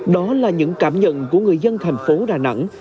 đó là những cảm nhận của người dân thành phố đà nẵng